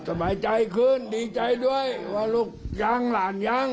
สบายใจขึ้นดีใจด้วยว่าลูกยังหลานยัง